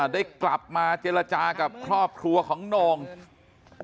ได้กลับมาเจรจากับครอบครัวของโน่ง